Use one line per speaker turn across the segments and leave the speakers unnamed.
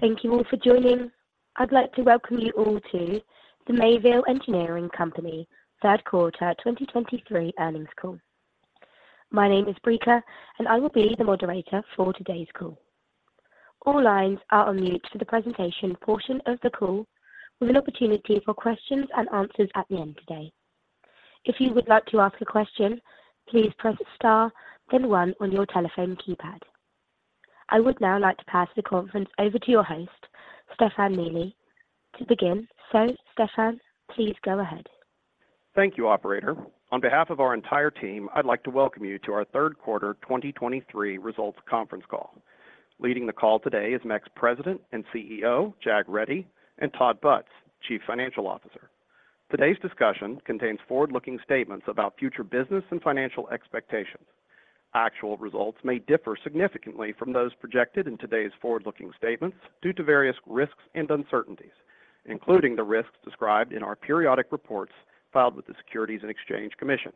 Thank you all for joining. I'd like to welcome you all to the Mayville Engineering Company third quarter 2023 earnings call. My name is Brika, and I will be the moderator for today's call. All lines are on mute for the presentation portion of the call, with an opportunity for questions and answers at the end today. If you would like to ask a question, please press Star, then one on your telephone keypad. I would now like to pass the conference over to your host, Stefan Neely, to begin. Stefan, please go ahead.
Thank you, operator. On behalf of our entire team, I'd like to welcome you to our third quarter 2023 results conference call. Leading the call today is MEC's President and CEO, Jag Reddy, and Todd Butz, Chief Financial Officer. Today's discussion contains forward-looking statements about future business and financial expectations. Actual results may differ significantly from those projected in today's forward-looking statements due to various risks and uncertainties, including the risks described in our periodic reports filed with the Securities and Exchange Commission.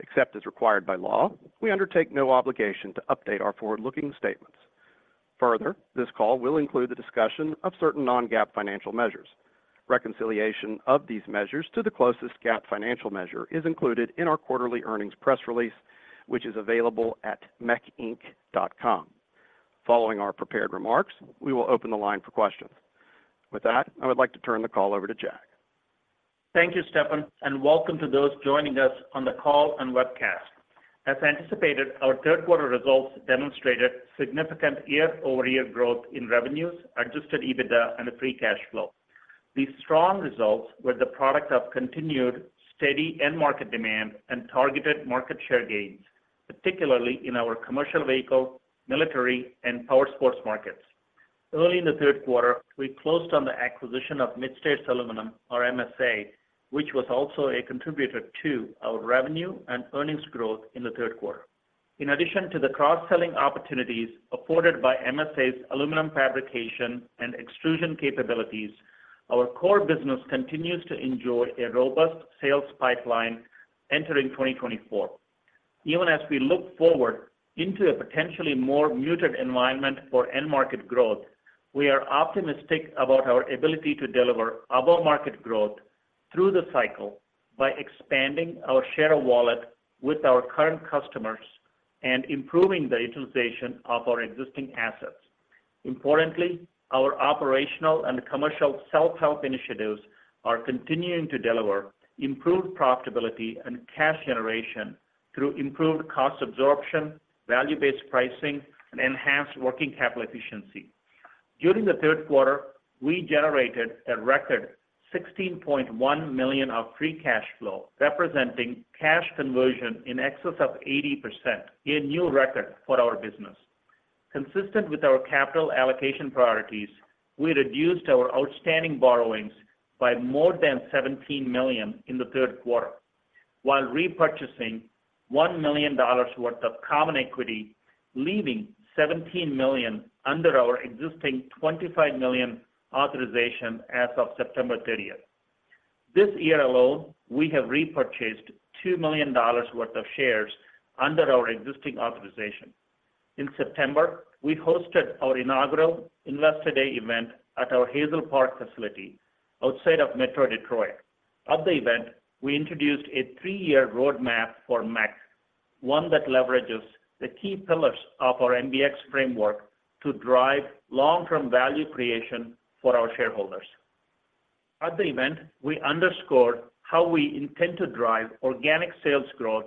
Except as required by law, we undertake no obligation to update our forward-looking statements. Further, this call will include the discussion of certain non-GAAP financial measures. Reconciliation of these measures to the closest GAAP financial measure is included in our quarterly earnings press release, which is available at mecinc.com. Following our prepared remarks, we will open the line for questions. With that, I would like to turn the call over to Jag.
Thank you, Stefan, and welcome to those joining us on the call and webcast. As anticipated, our third quarter results demonstrated significant year-over-year growth in revenues, Adjusted EBITDA, and Free Cash Flow. These strong results were the product of continued steady end market demand and targeted market share gains, particularly in our commercial vehicle, military, and powersports markets. Early in the third quarter, we closed on the acquisition of Mid-States Aluminum, or MSA, which was also a contributor to our revenue and earnings growth in the third quarter. In addition to the cross-selling opportunities afforded by MSA's aluminum fabrication and extrusion capabilities, our core business continues to enjoy a robust sales pipeline entering 2024. Even as we look forward into a potentially more muted environment for end market growth, we are optimistic about our ability to deliver above-market growth through the cycle by expanding our share of wallet with our current customers and improving the utilization of our existing assets. Importantly, our operational and commercial self-help initiatives are continuing to deliver improved profitability and cash generation through improved cost absorption, value-based pricing, and enhanced working capital efficiency. During the third quarter, we generated a record $16.1 million of free cash flow, representing cash conversion in excess of 80%, a new record for our business. Consistent with our capital allocation priorities, we reduced our outstanding borrowings by more than $17 million in the third quarter, while repurchasing $1 million worth of common equity, leaving $17 million under our existing $25 million authorization as of September 30th. This year alone, we have repurchased $2 million worth of shares under our existing authorization. In September, we hosted our inaugural Investor Day event at our Hazel Park facility outside of Metro Detroit. At the event, we introduced a three-year roadmap for MEC, one that leverages the key pillars of our MBX framework to drive long-term value creation for our shareholders. At the event, we underscored how we intend to drive organic sales growth,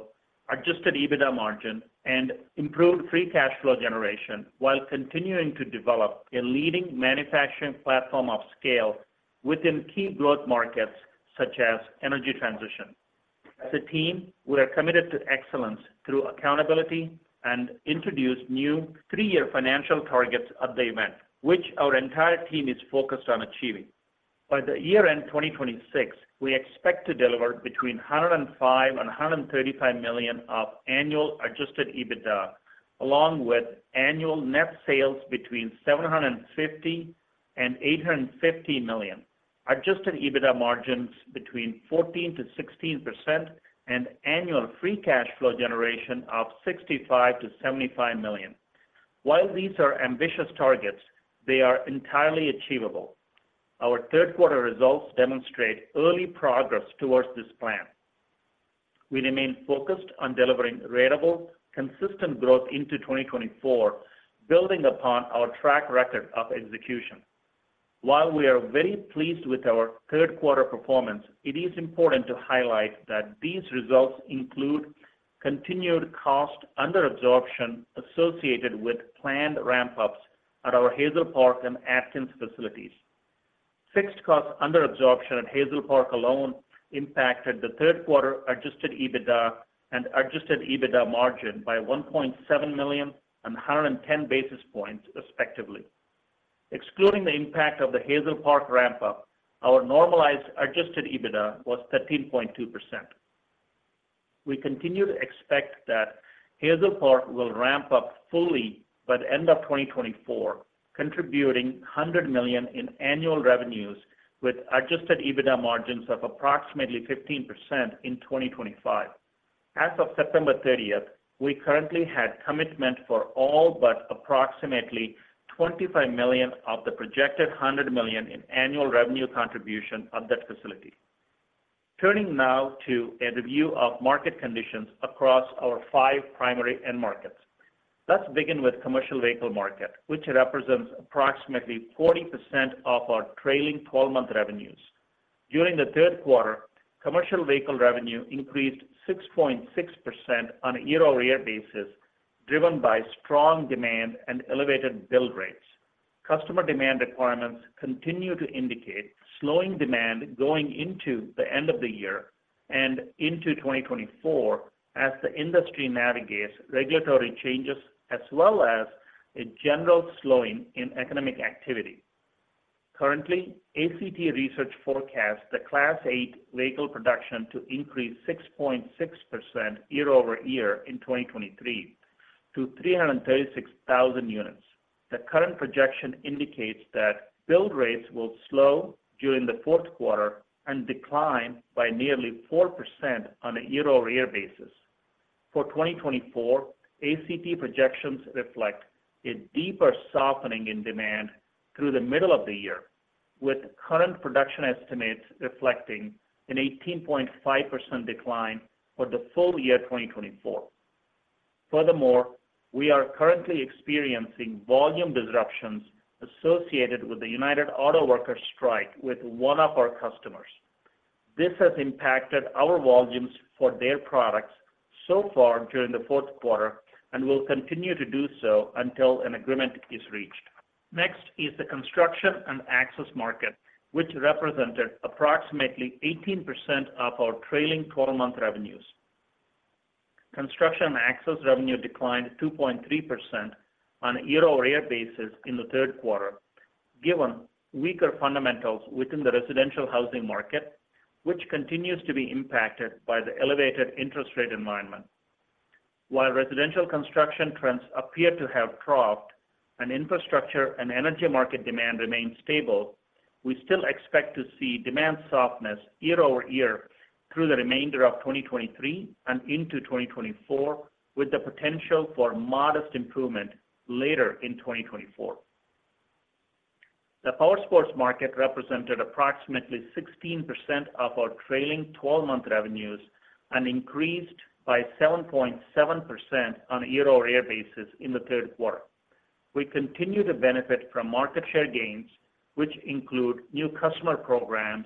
Adjusted EBITDA margin, and improved Free Cash Flow generation while continuing to develop a leading manufacturing platform of scale within key growth markets such as energy transition. As a team, we are committed to excellence through accountability and introduced new three-year financial targets at the event, which our entire team is focused on achieving. By year-end 2026, we expect to deliver between $105 million and $135 million of annual Adjusted EBITDA, along with annual net sales between $750 million and $850 million, Adjusted EBITDA margins 14%-16%, and annual free cash flow generation of $65 million-$75 million. While these are ambitious targets, they are entirely achievable. Our third quarter results demonstrate early progress towards this plan. We remain focused on delivering ratable, consistent growth into 2024, building upon our track record of execution. While we are very pleased with our third quarter performance, it is important to highlight that these results include continued cost underabsorption associated with planned ramp-ups at our Hazel Park and Athens facilities. Fixed-cost underabsorption at Hazel Park alone impacted the third quarter Adjusted EBITDA and Adjusted EBITDA margin by $1.7 million and 110 basis points, respectively. Excluding the impact of the Hazel Park ramp-up, our normalized Adjusted EBITDA was 13.2%. We continue to expect that Hazel Park will ramp up fully by the end of 2024, contributing $100 million in annual revenues with Adjusted EBITDA margins of approximately 15% in 2025. As of September 30th, we currently had commitment for all but approximately $25 million of the projected $100 million in annual revenue contribution of that facility. Turning now to a review of market conditions across our five primary end markets. Let's begin with commercial vehicle market, which represents approximately 40% of our trailing twelve-month revenues. During the third quarter, commercial vehicle revenue increased 6.6% on a year-over-year basis, driven by strong demand and elevated build rates. Customer demand requirements continue to indicate slowing demand going into the end of the year and into 2024 as the industry navigates regulatory changes, as well as a general slowing in economic activity. Currently, ACT Research forecasts the Class 8 vehicle production to increase 6.6% year-over-year in 2023 to 336,000 units. The current projection indicates that build rates will slow during the fourth quarter and decline by nearly 4% on a year-over-year basis. For 2024, ACT projections reflect a deeper softening in demand through the middle of the year, with current production estimates reflecting an 18.5% decline for the full year 2024. Furthermore, we are currently experiencing volume disruptions associated with the United Auto Workers strike with one of our customers. This has impacted our volumes for their products so far during the fourth quarter and will continue to do so until an agreement is reached. Next is the construction and access market, which represented approximately 18% of our trailing twelve-month revenues. Construction and access revenue declined 2.3% on a year-over-year basis in the third quarter, given weaker fundamentals within the residential housing market, which continues to be impacted by the elevated interest rate environment. While residential construction trends appear to have troughed and infrastructure and energy market demand remains stable, we still expect to see demand softness year over year through the remainder of 2023 and into 2024, with the potential for modest improvement later in 2024. The powersports market represented approximately 16% of our trailing twelve-month revenues and increased by 7.7% on a year-over-year basis in the third quarter. We continue to benefit from market share gains, which include new customer programs,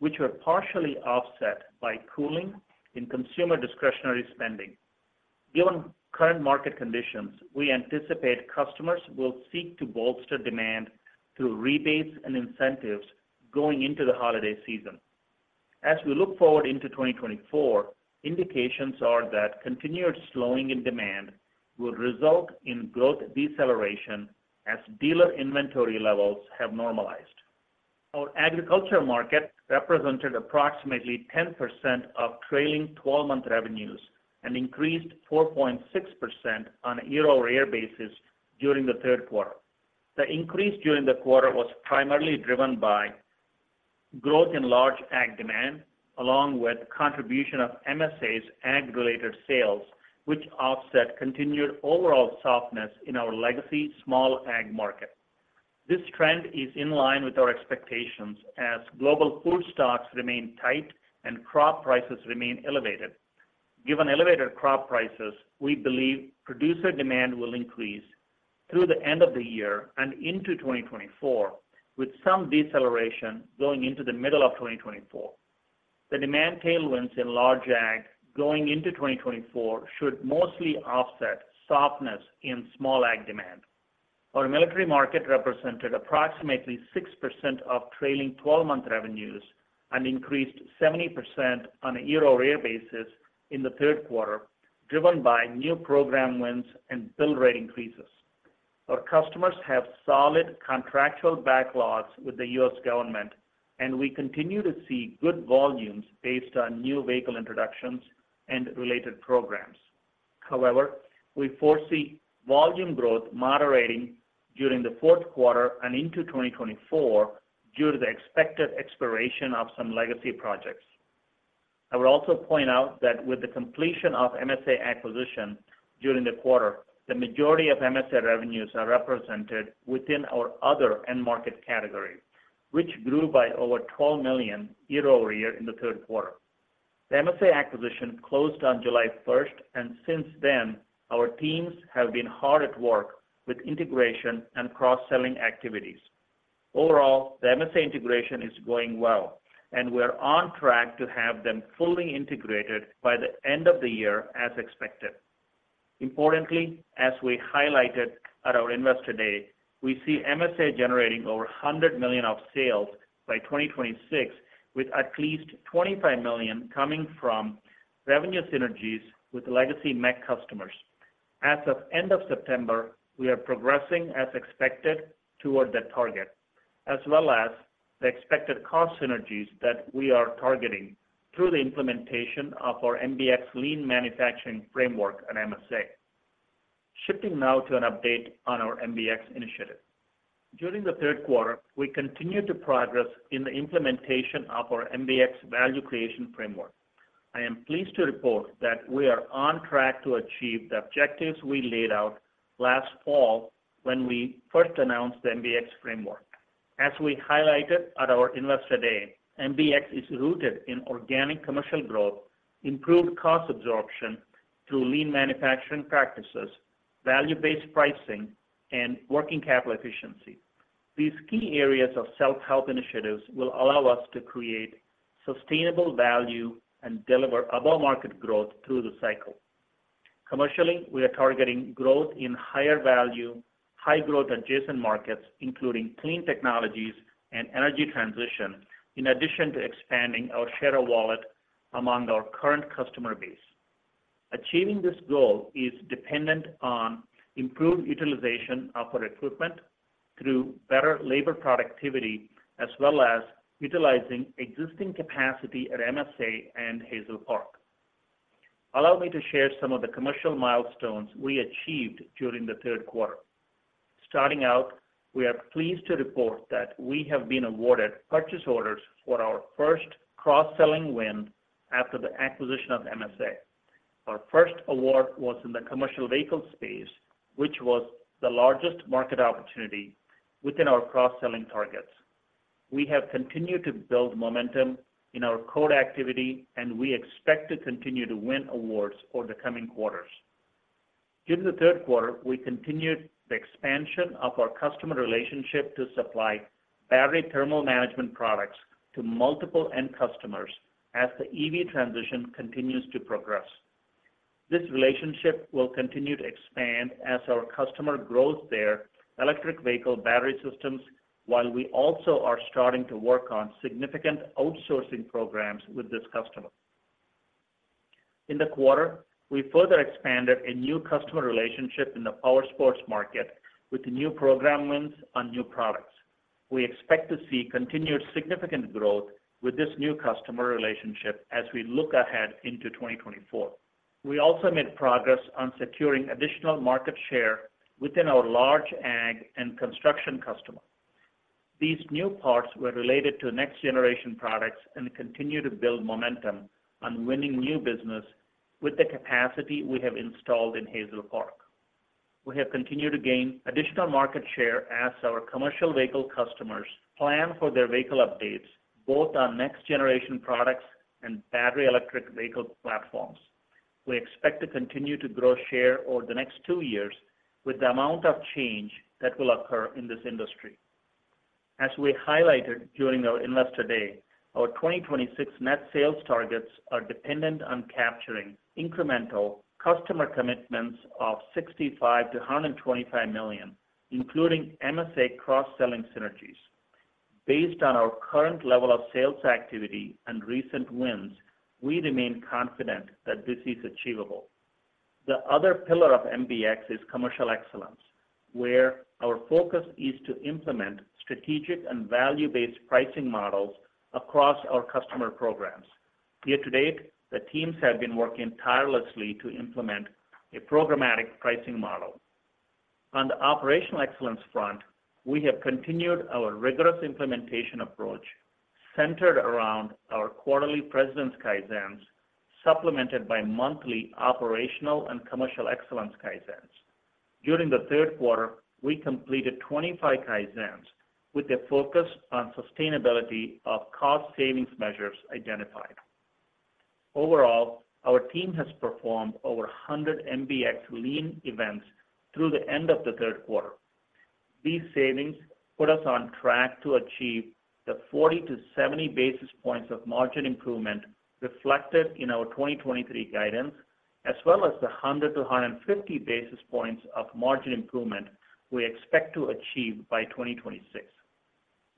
which were partially offset by cooling in consumer discretionary spending. Given current market conditions, we anticipate customers will seek to bolster demand through rebates and incentives going into the holiday season. As we look forward into 2024, indications are that continued slowing in demand will result in growth deceleration as dealer inventory levels have normalized. Our agriculture market represented approximately 10% of trailing twelve-month revenues and increased 4.6% on a year-over-year basis during the third quarter. The increase during the quarter was primarily driven by growth in large ag demand, along with contribution of MSA's ag-related sales, which offset continued overall softness in our legacy small ag market. This trend is in line with our expectations as global food stocks remain tight and crop prices remain elevated. Given elevated crop prices, we believe producer demand will increase through the end of the year and into 2024, with some deceleration going into the middle of 2024. The demand tailwinds in large ag going into 2024 should mostly offset softness in small ag demand. Our military market represented approximately 6% of trailing twelve-month revenues and increased 70% on a year-over-year basis in the third quarter, driven by new program wins and build rate increases. Our customers have solid contractual backlogs with the U.S. government, and we continue to see good volumes based on new vehicle introductions and related programs. However, we foresee volume growth moderating during the fourth quarter and into 2024 due to the expected expiration of some legacy projects. I would also point out that with the completion of MSA acquisition during the quarter, the majority of MSA revenues are represented within our other end market category, which grew by over $12 million year-over-year in the third quarter. The MSA acquisition closed on July 1st, and since then, our teams have been hard at work with integration and cross-selling activities. Overall, the MSA integration is going well, and we are on track to have them fully integrated by the end of the year, as expected. Importantly, as we highlighted at our Investor Day, we see MSA generating over $100 million of sales by 2026, with at least $25 million coming from revenue synergies with the legacy MEC customers. As of end of September, we are progressing as expected toward that target, as well as the expected cost synergies that we are targeting through the implementation of our MBX lean manufacturing framework at MSA. Shifting now to an update on our MBX initiative. During the third quarter, we continued to progress in the implementation of our MBX value creation framework. I am pleased to report that we are on track to achieve the objectives we laid out last fall when we first announced the MBX framework. As we highlighted at our Investor Day, MBX is rooted in organic commercial growth, improved cost absorption through lean manufacturing practices, value-based pricing, and working capital efficiency. These key areas of self-help initiatives will allow us to create sustainable value and deliver above market growth through the cycle. Commercially, we are targeting growth in higher value, high growth adjacent markets, including clean technologies and energy transition, in addition to expanding our share of wallet among our current customer base. Achieving this goal is dependent on improved utilization of our equipment through better labor productivity, as well as utilizing existing capacity at MSA and Hazel Park. Allow me to share some of the commercial milestones we achieved during the third quarter. Starting out, we are pleased to report that we have been awarded purchase orders for our first cross-selling win after the acquisition of MSA. Our first award was in the commercial vehicle space, which was the largest market opportunity within our cross-selling targets. We have continued to build momentum in our quote activity, and we expect to continue to win awards for the coming quarters. During the third quarter, we continued the expansion of our customer relationship to supply battery thermal management products to multiple end customers as the EV transition continues to progress. This relationship will continue to expand as our customer grows their electric vehicle battery systems, while we also are starting to work on significant outsourcing programs with this customer. In the quarter, we further expanded a new customer relationship in the powersports market with new program wins on new products. We expect to see continued significant growth with this new customer relationship as we look ahead into 2024. We also made progress on securing additional market share within our large ag and construction customer. These new parts were related to next generation products and continue to build momentum on winning new business with the capacity we have installed in Hazel Park. We have continued to gain additional market share as our commercial vehicle customers plan for their vehicle updates, both on next generation products and battery electric vehicle platforms. We expect to continue to grow share over the next two years with the amount of change that will occur in this industry. As we highlighted during our Investor Day, our 2026 net sales targets are dependent on capturing incremental customer commitments of $65 million-$125 million, including MSA cross-selling synergies. Based on our current level of sales activity and recent wins, we remain confident that this is achievable. The other pillar of MBX is commercial excellence, where our focus is to implement strategic and value-based pricing models across our customer programs. Year-to-date, the teams have been working tirelessly to implement a programmatic pricing model. On the operational excellence front, we have continued our rigorous implementation approach, centered around our quarterly President's Kaizens, supplemented by monthly operational and commercial excellence Kaizens. During the third quarter, we completed 25 Kaizens with a focus on sustainability of cost savings measures identified. Overall, our team has performed over 100 MBX lean events through the end of the third quarter. These savings put us on track to achieve the 40-70 basis points of margin improvement reflected in our 2023 guidance, as well as the 100-150 basis points of margin improvement we expect to achieve by 2026.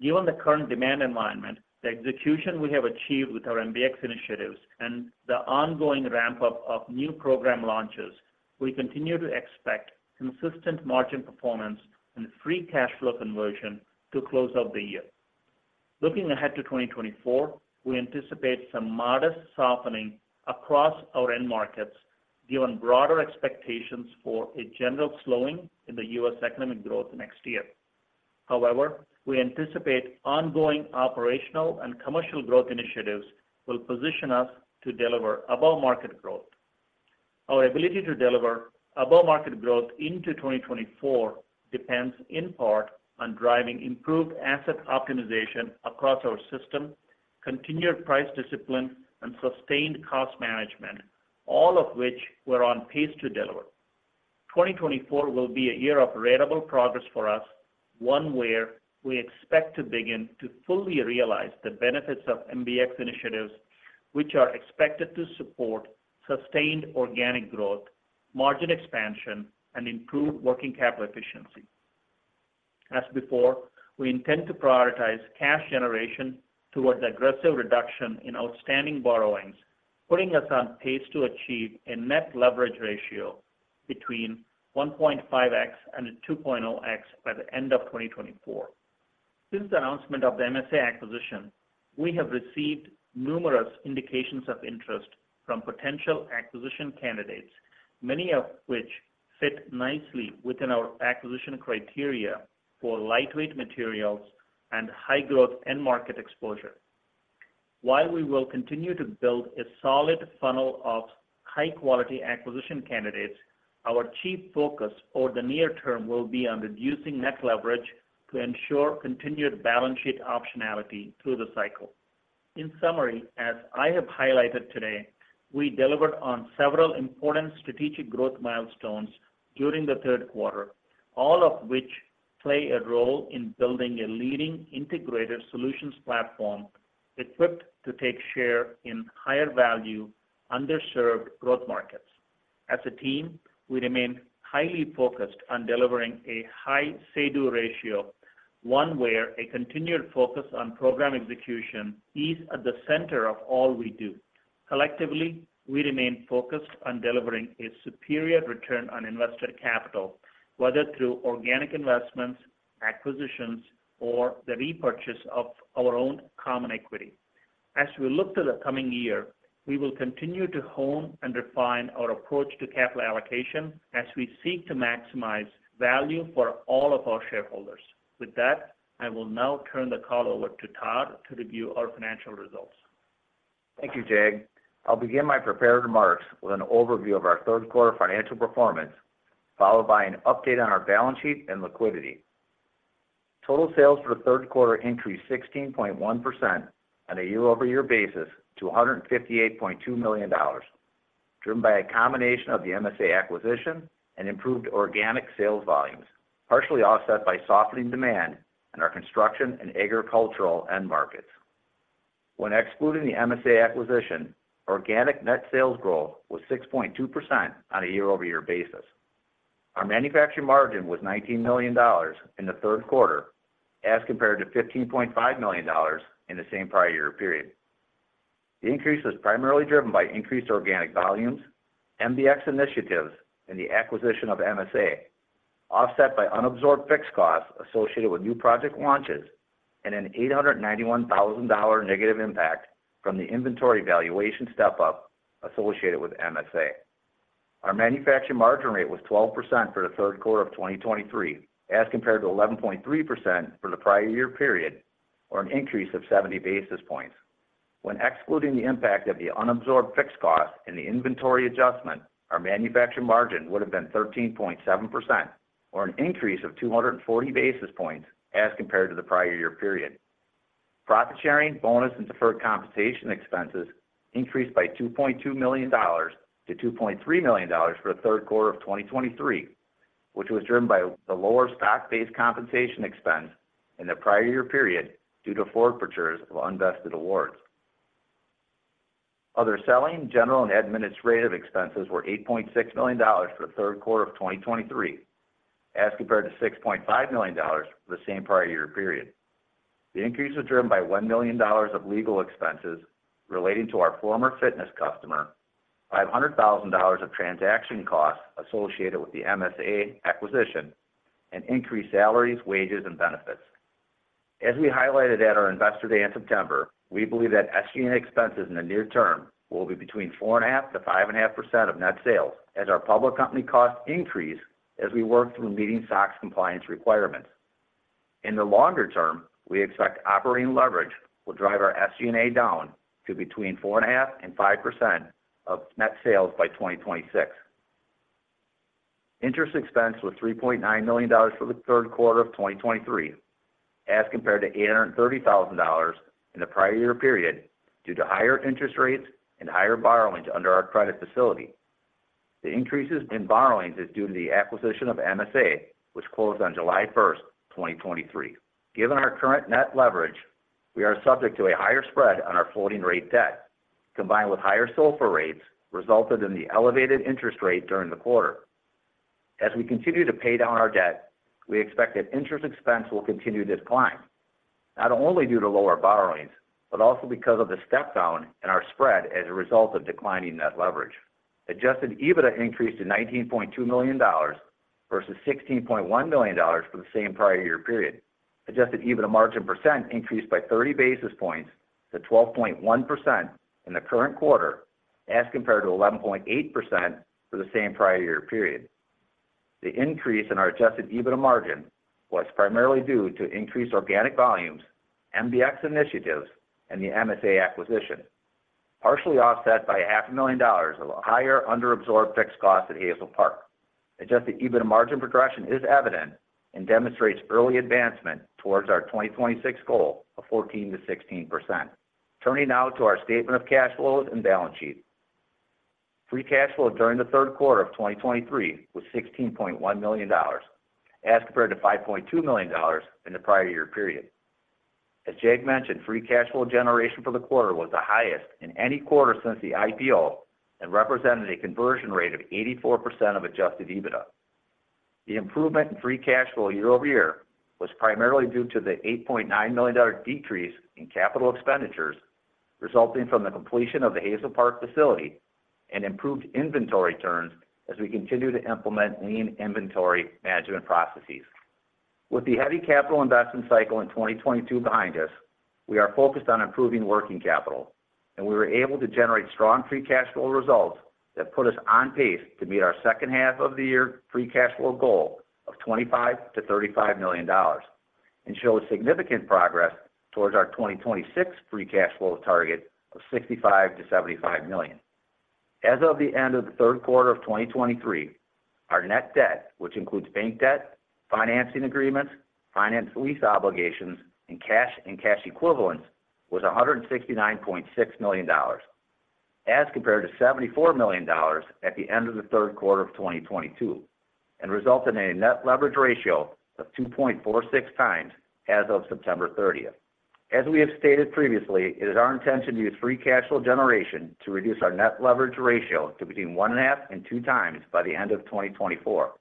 Given the current demand environment, the execution we have achieved with our MBX initiatives and the ongoing ramp-up of new program launches, we continue to expect consistent margin performance and free cash flow conversion to close out the year. Looking ahead to 2024, we anticipate some modest softening across our end markets, given broader expectations for a general slowing in the U.S. economic growth next year. However, we anticipate ongoing operational and commercial growth initiatives will position us to deliver above market growth. Our ability to deliver above market growth into 2024 depends in part on driving improved asset optimization across our system, continued price discipline, and sustained cost management, all of which we're on pace to deliver. 2024 will be a year of ratable progress for us, one where we expect to begin to fully realize the benefits of MBX initiatives, which are expected to support sustained organic growth, margin expansion, and improved working capital efficiency. As before, we intend to prioritize cash generation towards aggressive reduction in outstanding borrowings, putting us on pace to achieve a net leverage ratio between 1.5x and 2.0x by the end of 2024. Since the announcement of the MSA acquisition, we have received numerous indications of interest from potential acquisition candidates, many of which fit nicely within our acquisition criteria for lightweight materials and high growth end market exposure. While we will continue to build a solid funnel of high quality acquisition candidates, our chief focus over the near term will be on reducing net leverage to ensure continued balance sheet optionality through the cycle. In summary, as I have highlighted today, we delivered on several important strategic growth milestones during the third quarter, all of which play a role in building a leading integrated solutions platform equipped to take share in higher value, underserved growth markets. As a team, we remain highly focused on delivering a high Say-Do ratio, one where a continued focus on program execution is at the center of all we do. Collectively, we remain focused on delivering a superior return on invested capital, whether through organic investments, acquisitions, or the repurchase of our own common equity. As we look to the coming year, we will continue to hone and refine our approach to capital allocation as we seek to maximize value for all of our shareholders. With that, I will now turn the call over to Todd to review our financial results.
Thank you, Jag. I'll begin my prepared remarks with an overview of our third quarter financial performance, followed by an update on our balance sheet and liquidity. Total sales for the third quarter increased 16.1% on a year-over-year basis to $158.2 million, driven by a combination of the MSA acquisition and improved organic sales volumes, partially offset by softening demand in our construction and agricultural end markets. When excluding the MSA acquisition, organic net sales growth was 6.2% on a year-over-year basis. Our manufacturing margin was $19 million in the third quarter, as compared to $15.5 million in the same prior year period. The increase was primarily driven by increased organic volumes, MBX initiatives, and the acquisition of MSA, offset by unabsorbed fixed costs associated with new project launches and an $891,000 negative impact from the inventory valuation step-up associated with MSA. Our manufacturing margin rate was 12% for the third quarter of 2023, as compared to 11.3% for the prior year period, or an increase of 70 basis points. When excluding the impact of the unabsorbed fixed cost and the inventory adjustment, our manufacturing margin would have been 13.7%, or an increase of 240 basis points as compared to the prior year period. Profit sharing, bonus, and deferred compensation expenses increased by $2.2 million to $2.3 million for the third quarter of 2023, which was driven by the lower stock-based compensation expense in the prior year period due to forfeitures of unvested awards. Other selling, general, and administrative expenses were $8.6 million for the third quarter of 2023, as compared to $6.5 million for the same prior year period. The increase was driven by $1 million of legal expenses relating to our former fitness customer, $500,000 of transaction costs associated with the MSA acquisition, and increased salaries, wages, and benefits. As we highlighted at our Investor Day in September, we believe that SG&A expenses in the near term will be between 4.5%-5.5% of net sales, as our public company costs increase as we work through meeting SOX compliance requirements. In the longer term, we expect operating leverage will drive our SG&A down to between 4.5%-5% of net sales by 2026. Interest expense was $3.9 million for the third quarter of 2023, as compared to $830,000 in the prior year period, due to higher interest rates and higher borrowings under our credit facility. The increases in borrowings is due to the acquisition of MSA, which closed on July 1, 2023. Given our current net leverage, we are subject to a higher spread on our floating rate debt, combined with higher SOFR rates, resulted in the elevated interest rate during the quarter. As we continue to pay down our debt, we expect that interest expense will continue to decline, not only due to lower borrowings, but also because of the step down in our spread as a result of declining net leverage. Adjusted EBITDA increased to $19.2 million versus $16.1 million for the same prior year period. Adjusted EBITDA margin percent increased by 30 basis points to 12.1% in the current quarter, as compared to 11.8% for the same prior year period. The increase in our Adjusted EBITDA margin was primarily due to increased organic volumes, MBX initiatives, and the MSA acquisition, partially offset by $500,000 of higher underabsorbed fixed costs at Hazel Park. Adjusted EBITDA margin progression is evident and demonstrates early advancement towards our 2026 goal of 14%-16%. Turning now to our statement of cash flows and balance sheet. Free cash flow during the third quarter of 2023 was $16.1 million, as compared to $5.2 million in the prior year period. As Jag mentioned, free cash flow generation for the quarter was the highest in any quarter since the IPO and represented a conversion rate of 84% of Adjusted EBITDA. The improvement in free cash flow year-over-year was primarily due to the $8.9 million dollar decrease in capital expenditures. resulting from the completion of the Hazel Park facility and improved inventory turns as we continue to implement lean inventory management processes. With the heavy capital investment cycle in 2022 behind us, we are focused on improving working capital, and we were able to generate strong free cash flow results that put us on pace to meet our second half of the year free cash flow goal of $25 million-$35 million, and show significant progress towards our 2026 free cash flow target of $65 million-$75 million. As of the end of the third quarter of 2023, our net debt, which includes bank debt, financing agreements, finance lease obligations, and cash and cash equivalents, was $169.6 million, as compared to $74 million at the end of the third quarter of 2022, and resulted in a net leverage ratio of 2.46 times as of September 30th. As we have stated previously, it is our intention to use free cash flow generation to reduce our net leverage ratio to between 1.5 and two times by the end of 2024.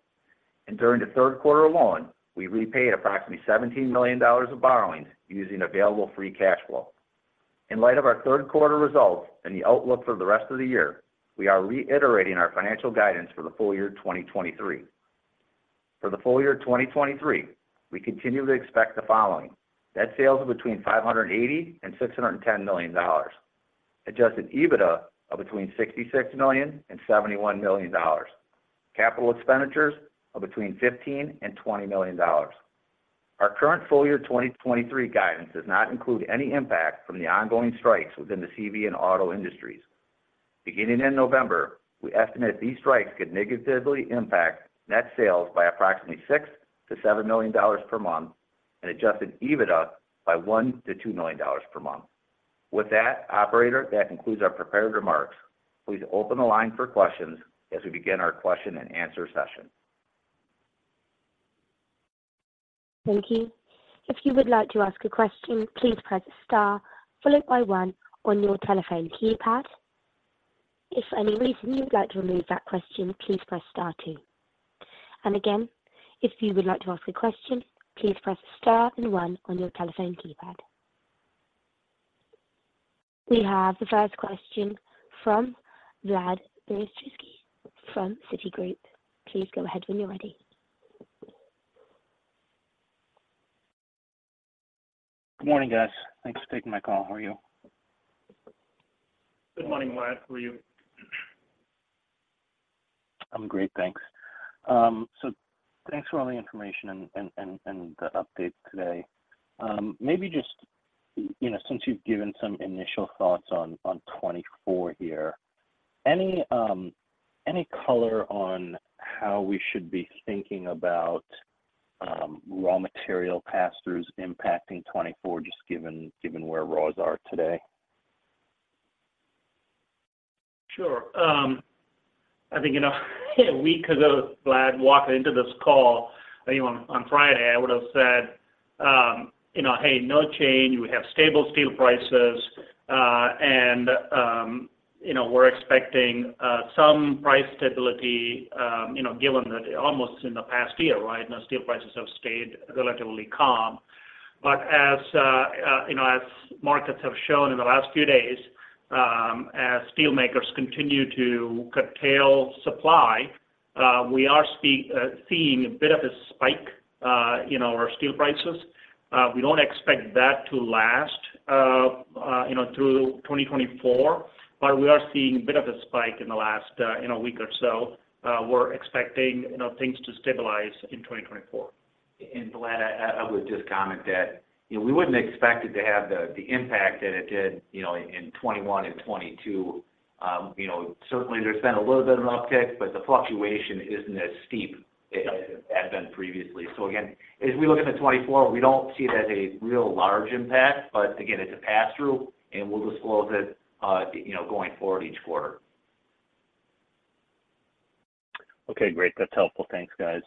During the third quarter alone, we repaid approximately $17 million of borrowings using available free cash flow. In light of our third quarter results and the outlook for the rest of the year, we are reiterating our financial guidance for the full year 2023. For the full year 2023, we continue to expect the following: net sales of between $580 million and $610 million, adjusted EBITDA of between $66 million and $71 million, capital expenditures of between $15 million and $20 million. Our current full year 2023 guidance does not include any impact from the ongoing strikes within the CV and auto industries. Beginning in November, we estimate these strikes could negatively impact net sales by approximately $6 million-$7 million per month and Adjusted EBITDA by $1 million-$2 million per month. With that, operator, that concludes our prepared remarks. Please open the line for questions as we begin our question and answer session.
Thank you. If you would like to ask a question, please press star, followed by one on your telephone keypad. If for any reason you'd like to remove that question, please press star two. And again, if you would like to ask a question, please press star and one on your telephone keypad. We have the first question from Vladimir Bystricky from Citigroup. Please go ahead when you're ready.
Good morning, guys. Thanks for taking my call. How are you?
Good morning, Vlad. How are you?
I'm great, thanks. So thanks for all the information and the update today. Maybe just, you know, since you've given some initial thoughts on 2024 here, any color on how we should be thinking about raw material pass-throughs impacting 2024, just given where raws are today?
Sure. I think, you know, a week ago, Vlad, walking into this call, you know, on Friday, I would have said, you know, "Hey, no change. We have stable steel prices, and, you know, we're expecting, some price stability, you know, given that almost in the past year, right? You know, steel prices have stayed relatively calm." But as, you know, as markets have shown in the last few days, as steelmakers continue to curtail supply, we are seeing a bit of a spike, in our steel prices. We don't expect that to last, you know, through 2024, but we are seeing a bit of a spike in the last, you know, week or so. We're expecting, you know, things to stabilize in 2024.
And Vlad, I would just comment that, you know, we wouldn't expect it to have the impact that it did, you know, in 2021 and 2022. You know, certainly, there's been a little bit of an uptick, but the fluctuation isn't as steep-
Yep...
as it had been previously. So again, as we look into 2024, we don't see it as a real large impact, but again, it's a pass-through, and we'll disclose it, you know, going forward each quarter.
Okay, great. That's helpful. Thanks, guys.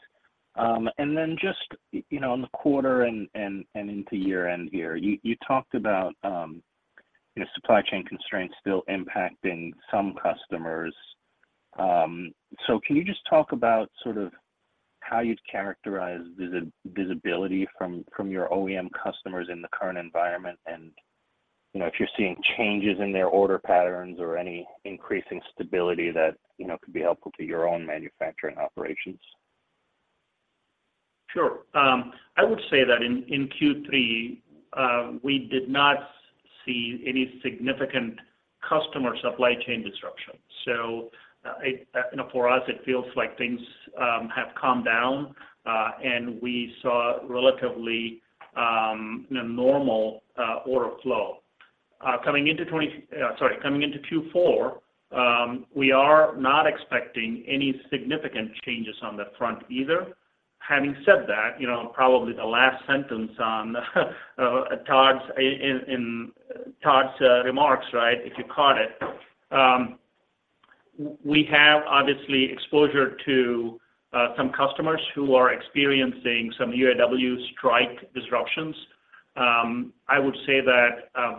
And then just, you know, on the quarter and into year-end here, you talked about, you know, supply chain constraints still impacting some customers. So can you just talk about sort of how you'd characterize visibility from your OEM customers in the current environment? And, you know, if you're seeing changes in their order patterns or any increasing stability that, you know, could be helpful to your own manufacturing operations.
Sure. I would say that in Q3, we did not see any significant customer supply chain disruption. So, you know, for us, it feels like things have calmed down, and we saw relatively normal order flow. Coming into Q4, sorry, we are not expecting any significant changes on that front either. Having said that, you know, probably the last sentence in Todd's remarks, right, if you caught it, we obviously have exposure to some customers who are experiencing some UAW strike disruptions. I would say that, up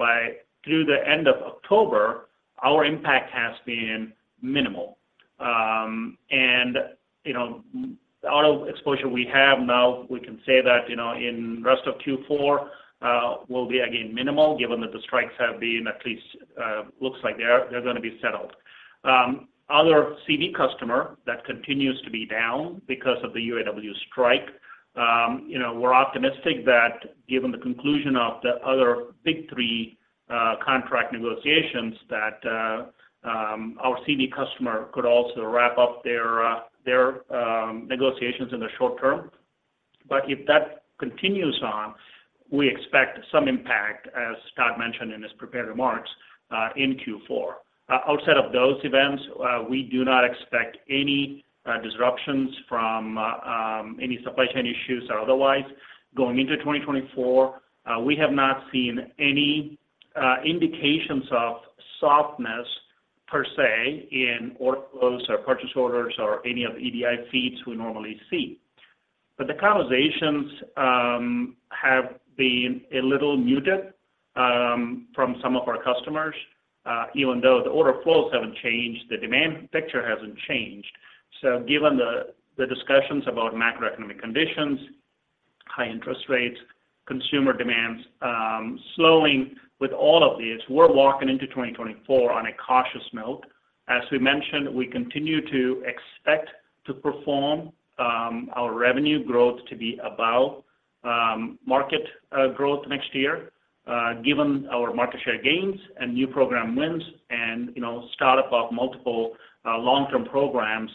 through the end of October, our impact has been minimal. And, you know, the auto exposure we have now, we can say that, you know, in rest of Q4, will be again minimal, given that the strikes have been at least. Looks like they're gonna be settled. Other CV customer that continues to be down because of the UAW strike. You know, we're optimistic that given the conclusion of the other big three contract negotiations, that our CV customer could also wrap up their negotiations in the short term. But if that continues on, we expect some impact, as Scott mentioned in his prepared remarks, in Q4. Outside of those events, we do not expect any disruptions from any supply chain issues or otherwise. Going into 2024, we have not seen any indications of softness per se, in order flows or purchase orders or any of the EDI feeds we normally see. But the conversations have been a little muted from some of our customers, even though the order flows haven't changed, the demand picture hasn't changed. So given the discussions about macroeconomic conditions, high interest rates, consumer demands slowing, with all of these, we're walking into 2024 on a cautious note. As we mentioned, we continue to expect to perform our revenue growth to be above market growth next year, given our market share gains and new program wins, and, you know, start up of multiple long-term programs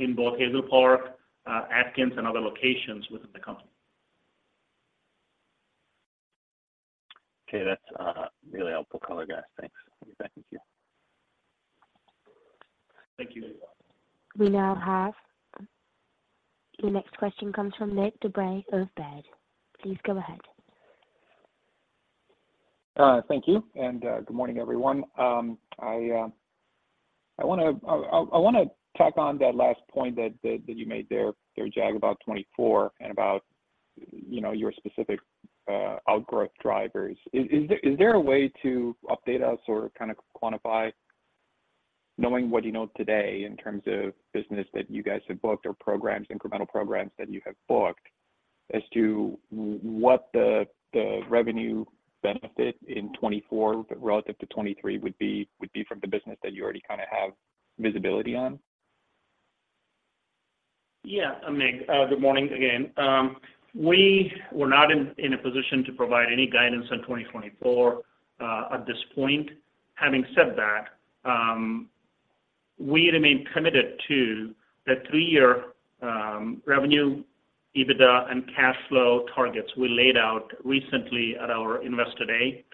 in both Hazel Park, Athens, and other locations within the company.
Okay, that's really helpful color, guys. Thanks. Thank you.
Thank you.
We now have. Your next question comes from Nick DeBrule of Baird. Please go ahead.
Thank you, and good morning, everyone. I wanna tack on that last point that you made there, Jag, about 2024 and about, you know, your specific outgrowth drivers. Is there a way to update us or kinda quantify, knowing what you know today in terms of business that you guys have booked or programs, incremental programs that you have booked, as to what the revenue benefit in 2024 relative to 2023 would be from the business that you already kinda have visibility on?
Yeah, Nick, good morning again. We were not in a position to provide any guidance on 2024 at this point. Having said that, we remain committed to the three-year revenue, EBITDA, and cash flow targets we laid out recently at our Investor Day.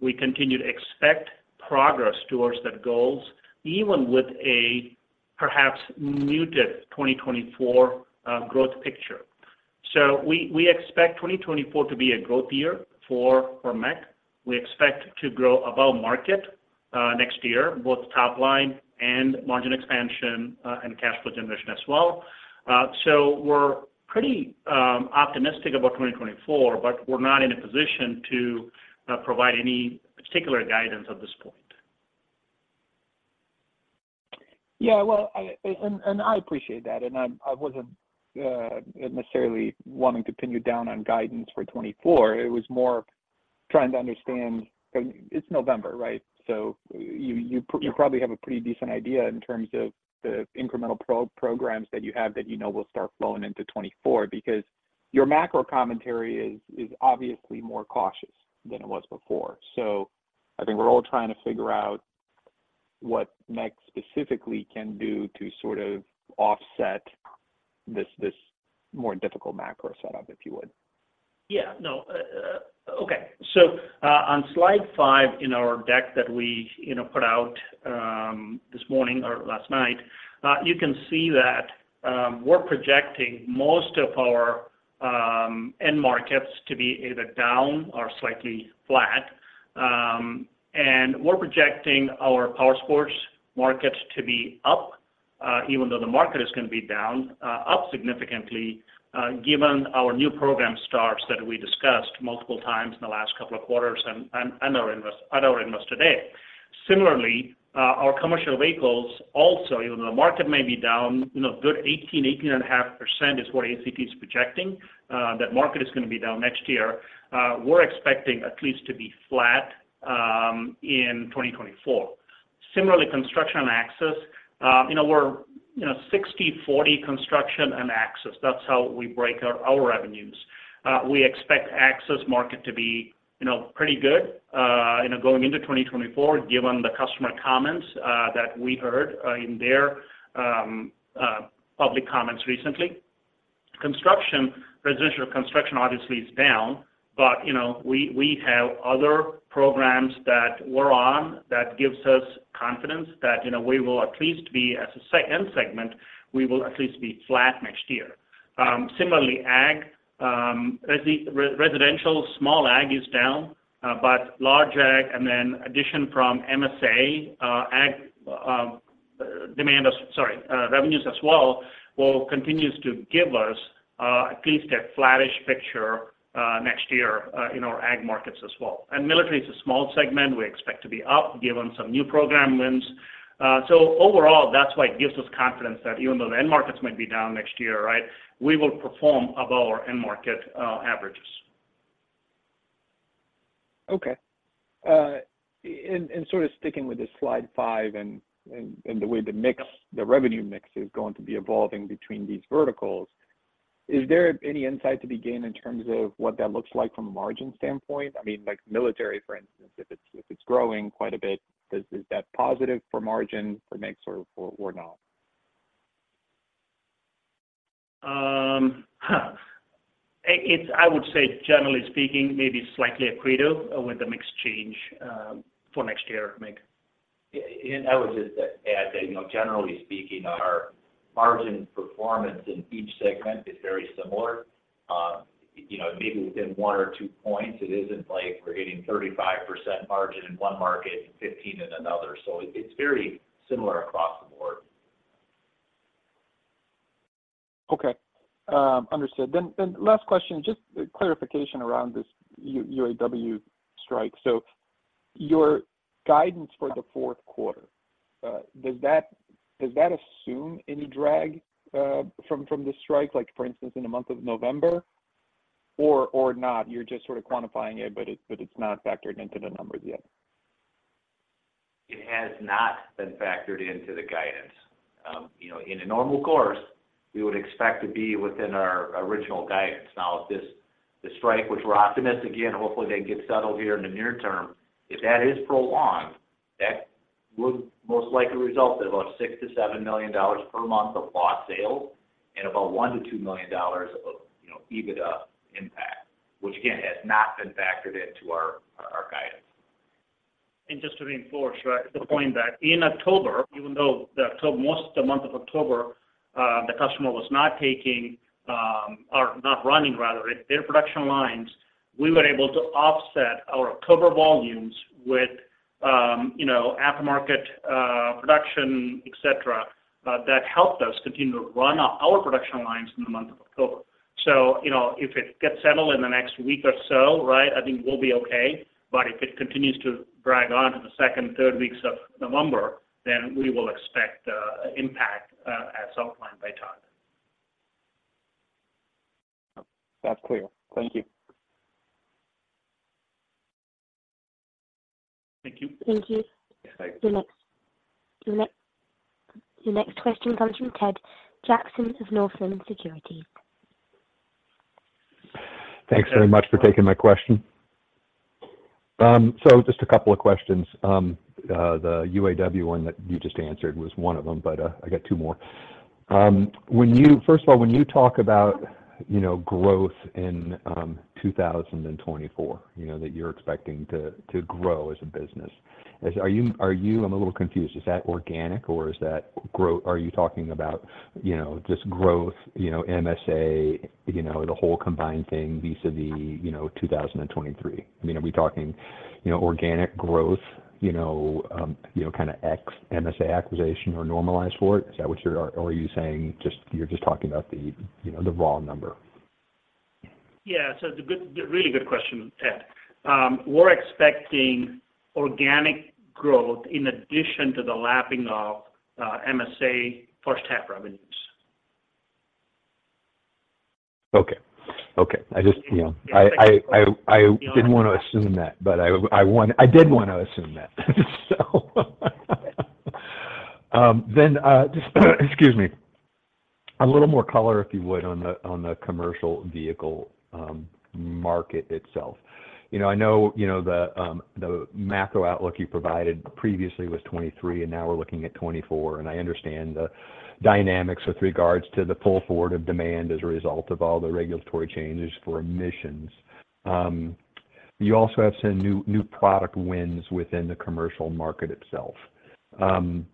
We continue to expect progress towards those goals, even with a perhaps muted 2024 growth picture. So we expect 2024 to be a growth year for MEC. We expect to grow above market next year, both top line and margin expansion, and cash flow generation as well. So we're pretty optimistic about 2024, but we're not in a position to provide any particular guidance at this point.
Yeah, well, I appreciate that, and I wasn't necessarily wanting to pin you down on guidance for 2024. It was more trying to understand, so it's November, right? So you, you-
Yeah.
You probably have a pretty decent idea in terms of the incremental programs that you have that you know will start flowing into 2024, because your macro commentary is, is obviously more cautious than it was before. So I think we're all trying to figure out what MEC specifically can do to sort of offset this, this more difficult macro setup, if you would.
Yeah, no, okay. So, on slide 5 in our deck that we, you know, put out, this morning or last night, you can see that, we're projecting most of our end markets to be either down or slightly flat. And we're projecting our powersports markets to be up, even though the market is gonna be down, up significantly, given our new program starts that we discussed multiple times in the last couple of quarters and at our Investor Day. Similarly, our commercial vehicles also, even though the market may be down, you know, a good 18-18.5% is what ACT is projecting, that market is gonna be down next year, we're expecting at least to be flat, in 2024. Similarly, construction and access, you know, we're, you know, 60/40 construction and access. That's how we break our, our revenues. We expect access market to be, you know, pretty good, you know, going into 2024, given the customer comments, that we heard, in their public comments recently. Construction, residential construction obviously is down, but, you know, we, we have other programs that we're on that gives us confidence that, you know, we will at least be, as a segment, we will at least be flat next year. Similarly, ag, residential, small ag is down, but large ag, and then addition from MSA, ag revenues as well, well, continues to give us, at least a flattish picture, next year, in our ag markets as well. Military is a small segment. We expect to be up, given some new program wins. So overall, that's why it gives us confidence that even though the end markets might be down next year, right, we will perform above our end market averages.
Okay. Sort of sticking with slide 5 and the way the mix, the revenue mix is going to be evolving between these verticals, is there any insight to be gained in terms of what that looks like from a margin standpoint? I mean, like military, for instance, if it's growing quite a bit, does that positive for margin for mix or not?
It's, I would say, generally speaking, maybe slightly accretive with the mix change, for next year, Mike.
I would just add that, you know, generally speaking, our margin performance in each segment is very similar. You know, maybe within one or two points, it isn't like we're hitting 35% margin in one market and 15% in another. So it's very similar across the board.
Okay. Understood. Then last question, just a clarification around this UAW strike. So your guidance for the fourth quarter, does that assume any drag from the strike? Like, for instance, in the month of November or not, you're just sort of quantifying it, but it's not factored into the numbers yet.
It has not been factored into the guidance. You know, in a normal course, we would expect to be within our original guidance. Now, if this, the strike, which we're optimistic again, hopefully, they get settled here in the near term. If that is prolonged, that would most likely result in about $6 million-$7 million per month of lost sales and about $1 million-$2 million of, you know, EBITDA impact, which again, has not been factored into our guidance.
Just to reinforce the point that in October, even though the October, most of the month of October, the customer was not taking, or not running rather, their production lines, we were able to offset our October volumes with, you know, aftermarket, production, et cetera, that helped us continue to run our production lines in the month of October. So, you know, if it gets settled in the next week or so, right, I think we'll be okay. But if it continues to drag on to the second, third weeks of November, then we will expect, impact, as outlined by Todd.
That's clear. Thank you.
Thank you.
Thank you.
Thanks.
The next question comes from Ted Jackson of Northland Securities.
Thanks very much for taking my question. So just a couple of questions. The UAW one that you just answered was one of them, but I got two more. When you— first of all, when you talk about, you know, growth in 2024, you know, that you're expecting to, to grow as a business, is— are you, are you... I'm a little confused, is that organic or is that grow— are you talking about, you know, just growth, you know, MSA, you know, the whole combined thing vis-à-vis, you know, 2023? I mean, are we talking, you know, organic growth, you know, you know, kind of ex MSA acquisition or normalized for it? Is that what you're— or are you saying just, you're just talking about the, you know, the raw number?
Yeah. So the good, really good question, Ted. We're expecting organic growth in addition to the lapping of MSA first half revenues.
Okay. Okay. I just, you know,
Yeah...
I didn't want to assume that, but I—I did want to assume that. So, then, just excuse me. A little more color, if you would, on the commercial vehicle market itself. You know, I know, you know, the macro outlook you provided previously was 2023, and now we're looking at 2024, and I understand the dynamics with regards to the pull forward of demand as a result of all the regulatory changes for emissions. You also have seen new product wins within the commercial market itself. Can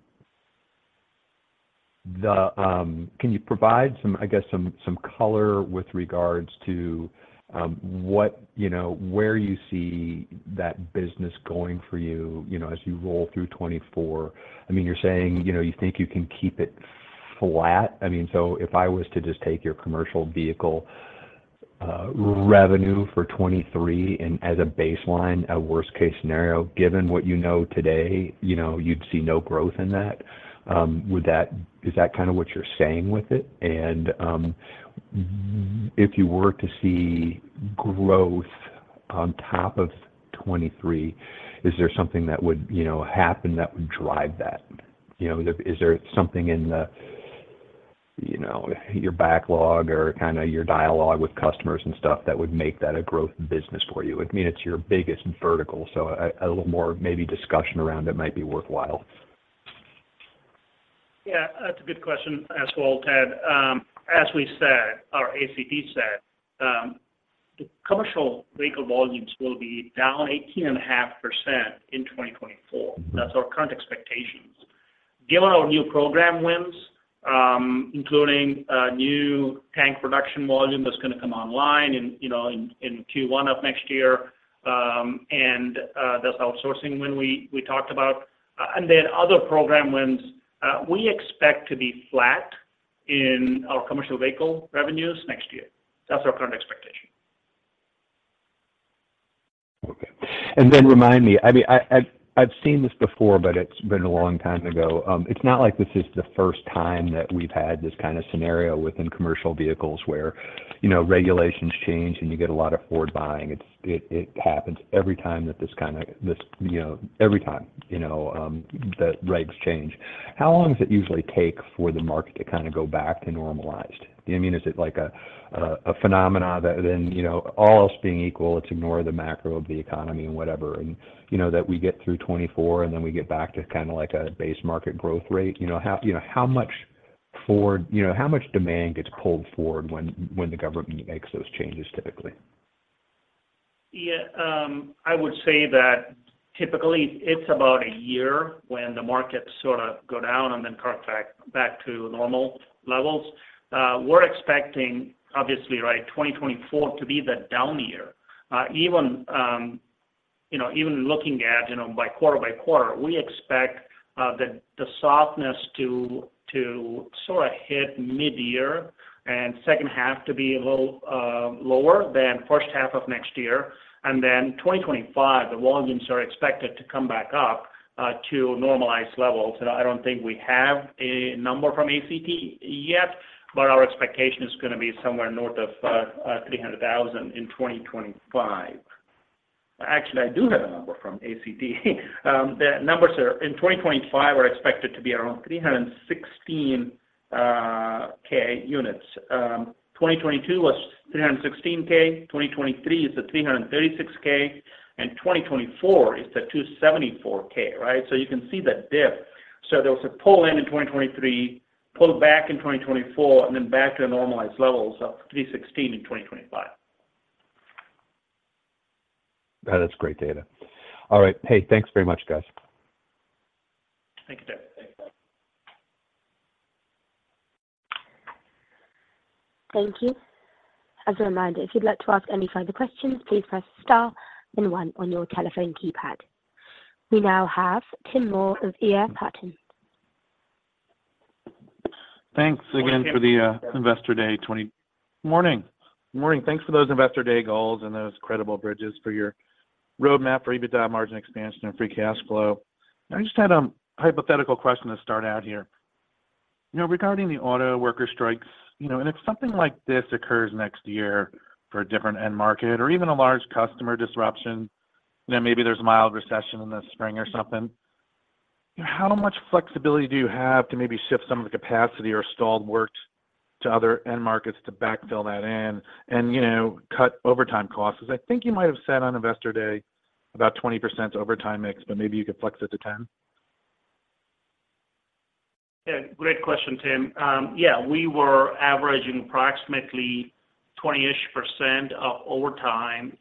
you provide some, I guess, color with regards to what, you know, where you see that business going for you, you know, as you roll through 2024? I mean, you're saying, you know, you think you can keep it flat. I mean, so if I was to just take your commercial vehicle revenue for 2023 and as a baseline, a worst-case scenario, given what you know today, you know, you'd see no growth in that. Would that--is that kind of what you're saying with it? And if you were to see growth on top of 2023, is there something that would, you know, happen that would drive that? You know, is there something in the, you know, your backlog or kinda your dialogue with customers and stuff that would make that a growth business for you? I mean, it's your biggest vertical, so a little more maybe discussion around it might be worthwhile.
Yeah, that's a good question as well, Ted. As we said, our ACP said, the commercial vehicle volumes will be down 18.5% in 2024. That's our current expectations. Given our new program wins, including, new tank production volume that's going to come online in, you know, in, in Q1 of next year, and, that's outsourcing when we, we talked about, and then other program wins, we expect to be flat in our commercial vehicle revenues next year. That's our current expectation....
Okay. And then remind me, I mean, I've seen this before, but it's been a long time ago. It's not like this is the first time that we've had this kind of scenario within commercial vehicles where, you know, regulations change and you get a lot of forward buying. It happens every time that this kind of, you know, every time, you know, the regs change. How long does it usually take for the market to kind of go back to normalized? I mean, is it like a phenomenon that then, you know, all else being equal, let's ignore the macro of the economy and whatever, and, you know, that we get through 2024, and then we get back to kind of like a base market growth rate? You know, how much forward, you know, how much demand gets pulled forward when the government makes those changes typically?
Yeah, I would say that typically it's about a year when the markets sort of go down and then come back back to normal levels. We're expecting, obviously, right, 2024 to be the down year. Even, you know, even looking at, you know, by quarter by quarter, we expect the softness to sort of hit mid-year, and second half to be a little lower than first half of next year. And then 2025, the volumes are expected to come back up to normalized levels. And I don't think we have a number from ACT yet, but our expectation is going to be somewhere north of 300,000 in 2025. Actually, I do have a number from ACT. The numbers in 2025 are expected to be around 316,000 units. 2022 was $316K, 2023 is $336K, and 2024 is $274K, right? So you can see the dip. So there was a pull in in 2023, pull back in 2024, and then back to a normalized level, so $316K in 2025.
That is great data. All right. Hey, thanks very much, guys.
Thank you, Ted.
Thank you. As a reminder, if you'd like to ask any further questions, please press star and one on your telephone keypad. We now have Tim Moore of EF Hutton.
Thanks again for the Investor Day. Morning. Morning. Thanks for those Investor Day goals and those credible bridges for your roadmap for EBITDA margin expansion and free cash flow. I just had a hypothetical question to start out here. You know, regarding the auto worker strikes, you know, and if something like this occurs next year for a different end market or even a large customer disruption, then maybe there's a mild recession in the spring or something, how much flexibility do you have to maybe shift some of the capacity or stalled work to other end markets to backfill that in and, you know, cut overtime costs? Because I think you might have said on Investor Day, about 20% overtime mix, but maybe you could flex it to 10.
Yeah, great question, Tim. Yeah, we were averaging approximately 20-ish% of overtime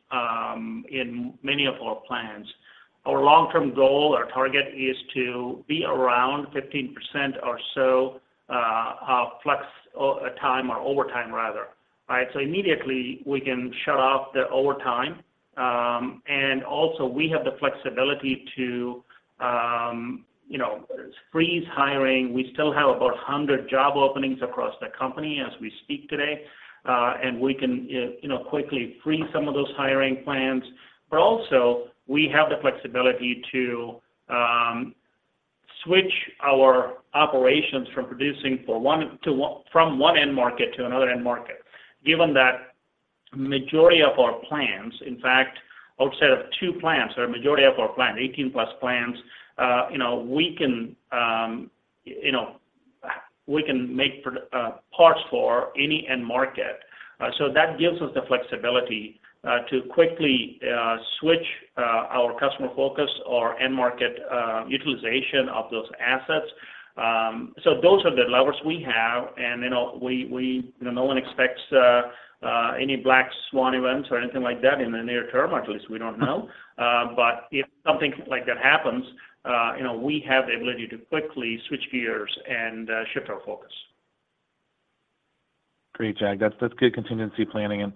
in many of our plans. Our long-term goal, our target, is to be around 15% or so of flex time or overtime, rather. Right? So immediately, we can shut off the overtime. And also we have the flexibility to, you know, freeze hiring. We still have about 100 job openings across the company as we speak today, and we can, you know, quickly freeze some of those hiring plans. But also, we have the flexibility to switch our operations from producing for one end market to another end market. Given that majority of our plants, in fact, outside of two plants or majority of our plants, 18+ plants, you know, we can make parts for any end market. So that gives us the flexibility to quickly switch our customer focus or end market utilization of those assets. So those are the levers we have, and, you know, no one expects any black swan events or anything like that in the near term, at least we don't know. But if something like that happens, you know, we have the ability to quickly switch gears and shift our focus.
Great, Jag. That's good contingency planning, and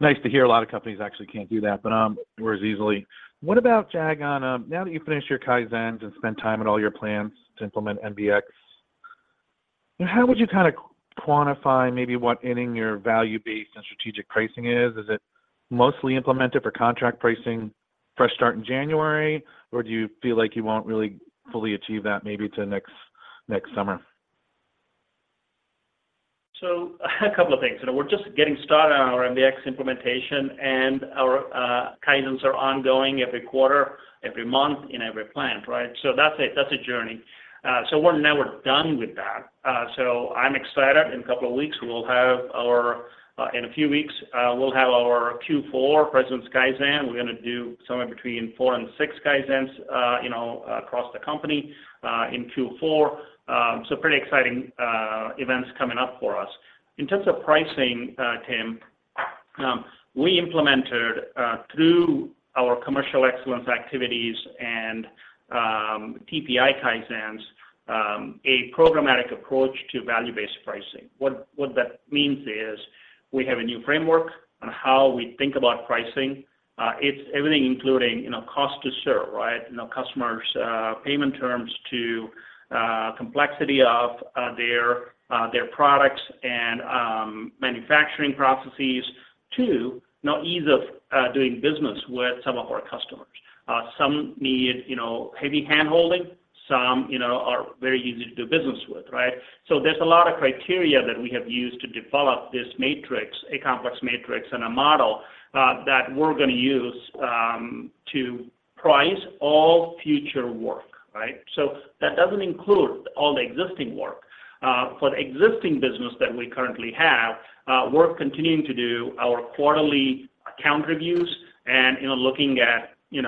nice to hear a lot of companies actually can't do that, but whereas easily. What about Jag, on, now that you've finished your Kaizens and spent time in all your plans to implement MBX, how would you kind of quantify maybe what inning your value-based and strategic pricing is? Is it mostly implemented for contract pricing, fresh start in January, or do you feel like you won't really fully achieve that maybe till next summer?
So a couple of things. We're just getting started on our MBX implementation, and our Kaizens are ongoing every quarter, every month in every plant, right? So that's a journey. So we're never done with that. So I'm excited. In a few weeks, we'll have our Q4 President's Kaizen. We're gonna do somewhere between four and six Kaizens, you know, across the company, in Q4. So pretty exciting events coming up for us. In terms of pricing, Tim, we implemented through our commercial excellence activities and TPI Kaizens a programmatic approach to value-based pricing. What that means is we have a new framework on how we think about pricing. It's everything, including, you know, cost to serve, right? You know, customers, payment terms to complexity of their products and manufacturing processes, to now ease of doing business with some of our customers. Some need, you know, heavy handholding. Some, you know, are very easy to do business with, right? So there's a lot of criteria that we have used to develop this matrix, a complex matrix, and a model that we're gonna use to price all future work, right? So that doesn't include all the existing work. For the existing business that we currently have, we're continuing to do our quarterly account reviews and, you know, looking at, you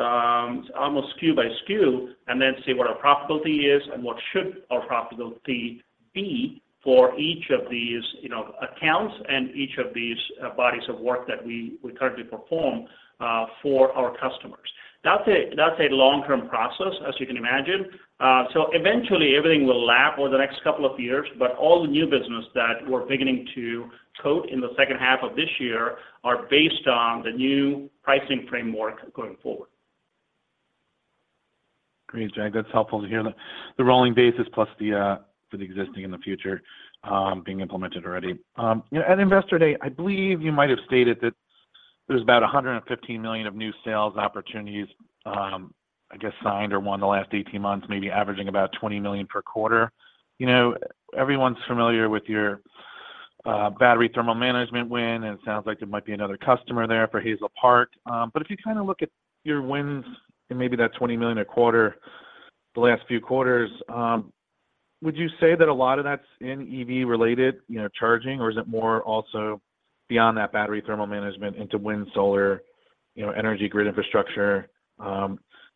know, almost SKU by SKU, and then see what our profitability is and what should our profitability be for each of these, you know, accounts and each of these, bodies of work that we, we currently perform, for our customers. That's a long-term process, as you can imagine. So eventually everything will lap over the next couple of years, but all the new business that we're beginning to quote in the second half of this year are based on the new pricing framework going forward.
Great, Jag, that's helpful to hear the, the rolling basis, plus the, for the existing and the future, being implemented already. You know, at Investor Day, I believe you might have stated that there's about $115 million of new sales opportunities, I guess, signed or won in the last 18 months, maybe averaging about $20 million per quarter. You know, everyone's familiar with your, battery thermal management win, and it sounds like there might be another customer there for Hazel Park. But if you kind of look at your wins in maybe that $20 million a quarter the last few quarters, would you say that a lot of that's in EV related, you know, charging, or is it more also beyond that battery thermal management into wind, solar, you know, energy grid infrastructure?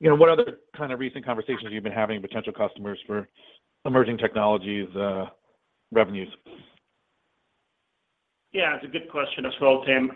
You know, what other kind of recent conversations have you been having with potential customers for emerging technologies, revenues?
Yeah, it's a good question as well, Tim.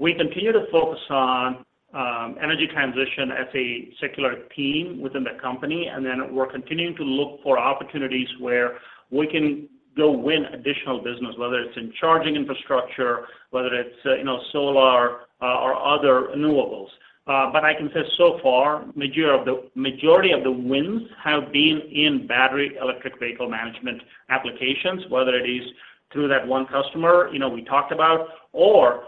We continue to focus on energy transition as a secular theme within the company, and then we're continuing to look for opportunities where we can go win additional business, whether it's in charging infrastructure, whether it's, you know, solar or other renewables. But I can say so far, majority of the wins have been in battery electric vehicle management applications, whether it is through that one customer, you know, we talked about, or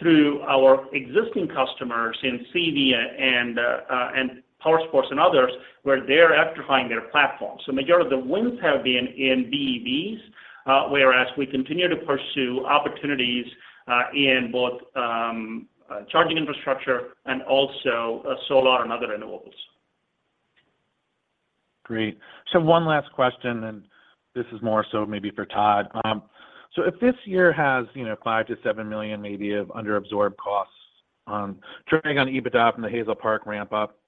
through our existing customers in CV and power sports and others, where they're electrifying their platforms. So majority of the wins have been in BEVs, whereas we continue to pursue opportunities in both charging infrastructure and also solar and other renewables.
Great. So one last question, and this is more so maybe for Todd. So if this year has, you know, $5 million-$7 million maybe of underabsorbed costs, dragging on EBITDA from the Hazel Park ramp up,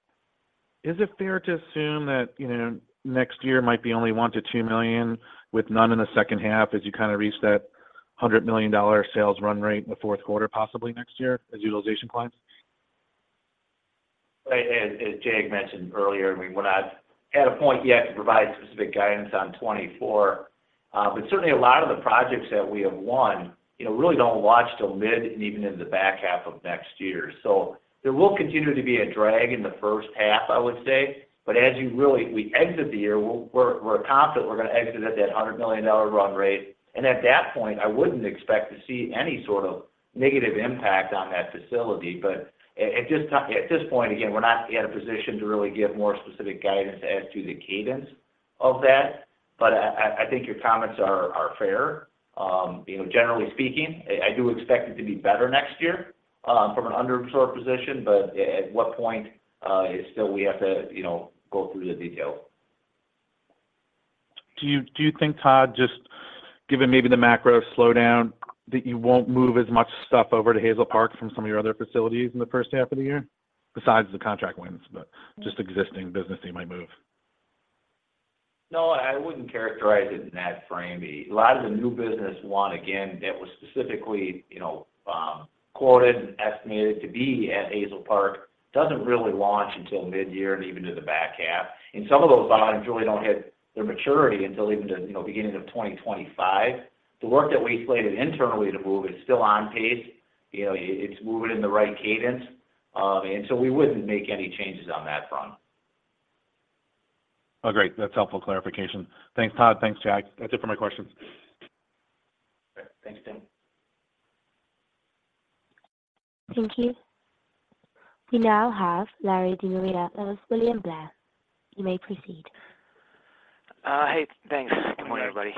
is it fair to assume that, you know, next year might be only $1 million-$2 million, with none in the second half as you kind of reach that $100 million sales run rate in the fourth quarter, possibly next year, as utilization climbs?
Right. As Jag mentioned earlier, we're not at a point yet to provide specific guidance on 2024, but certainly a lot of the projects that we have won, you know, really don't launch till mid and even in the back half of next year. So there will continue to be a drag in the first half, I would say, but as we really exit the year, we're confident we're gonna exit at that $100 million run rate. And at that point, I wouldn't expect to see any sort of negative impact on that facility. But at this point, again, we're not yet in a position to really give more specific guidance as to the cadence of that, but I think your comments are fair. You know, generally speaking, I, I do expect it to be better next year from an underabsorbed position, but at what point is still we have to, you know, go through the detail.
Do you think, Todd, just given maybe the macro slowdown, that you won't move as much stuff over to Hazel Park from some of your other facilities in the first half of the year? Besides the contract wins, but just existing business they might move.
No, I wouldn't characterize it in that frame. A lot of the new business won, again, that was specifically, you know, quoted and estimated to be at Hazel Park, doesn't really launch until mid-year and even to the back half. And some of those volumes really don't hit their maturity until even the, you know, beginning of 2025. The work that we slated internally to move is still on pace, you know, it's moving in the right cadence, and so we wouldn't make any changes on that front.
Oh, great. That's helpful clarification. Thanks, Todd. Thanks, Jag. That's it for my questions.
Okay. Thanks, Tim.
Thank you. We now have Larry De Maria of William Blair. You may proceed.
Hey, thanks. Good morning, everybody.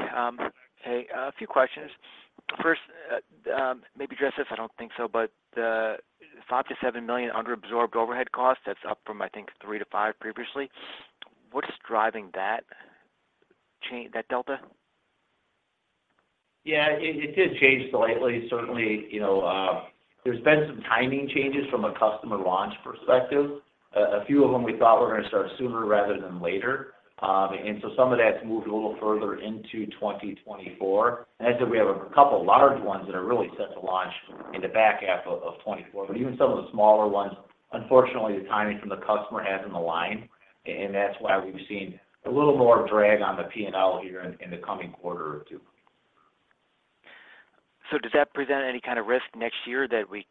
Hey, a few questions. First, maybe address this, I don't think so, but the $5 million-$7 million underabsorbed overhead costs, that's up from, I think, $3 million-$5 million previously. What is driving that that delta?
Yeah, it, it did change slightly. Certainly, you know, there's been some timing changes from a customer launch perspective. A few of them we thought were gonna start sooner rather than later. And so some of that's moved a little further into 2024. And I said we have a couple of large ones that are really set to launch in the back half of, of 2024. But even some of the smaller ones, unfortunately, the timing from the customer hasn't aligned, and that's why we've seen a little more drag on the P&L here in, in the coming quarter or two.
So does that present any kind of risk next year that we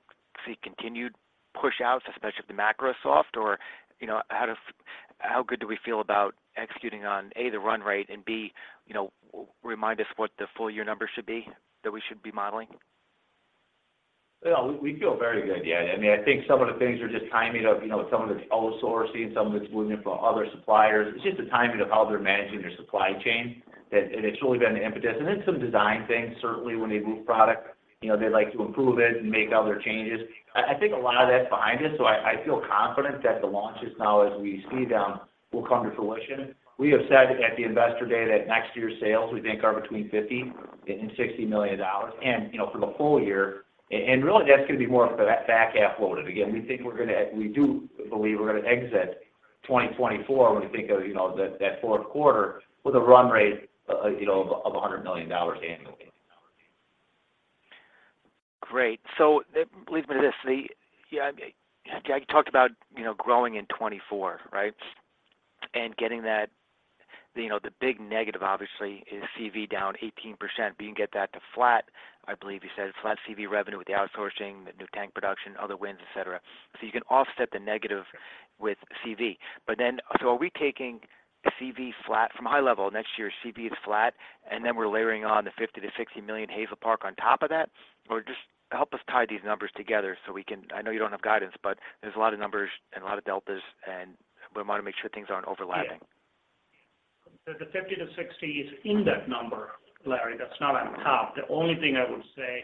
see continued pushouts, especially if the macro is soft? Or, you know, how good do we feel about executing on, A, the run rate, and B, you know, remind us what the full year number should be, that we should be modeling? ...
Well, we feel very good, yeah. I mean, I think some of the things are just timing of, you know, some of it's outsourcing, some of it's moving it for other suppliers. It's just the timing of how they're managing their supply chain, that, and it's really been an impetus. And then some design things, certainly, when they move product, you know, they'd like to improve it and make other changes. I think a lot of that's behind us, so I feel confident that the launches now, as we see them, will come to fruition. We have said at the investor day that next year's sales, we think, are between $50 million and $60 million, and, you know, for the full year. And really, that's going to be more for that back half loaded. Again, we think we're going to, we do believe we're going to exit 2024, when you think of, you know, that, that fourth quarter with a run rate, you know, of, of $100 million annually.
Great. So that leads me to this. Yeah, Jag, you talked about, you know, growing in 2024, right? And getting that, you know, the big negative, obviously, is CV down 18%. But you can get that to flat, I believe you said, flat CV revenue with the outsourcing, the new tank production, other wins, et cetera. So you can offset the negative with CV. But then, so are we taking the CV flat from high level? Next year, CV is flat, and then we're layering on the $50 million-$60 million Hazel Park on top of that? Or just help us tie these numbers together so we can. I know you don't have guidance, but there's a lot of numbers and a lot of deltas, and we want to make sure things aren't overlapping.
Yeah. The 50-60 is in that number, Larry. That's not on top. The only thing I would say